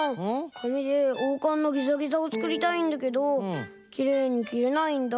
かみでおうかんのギザギザをつくりたいんだけどきれいにきれないんだ。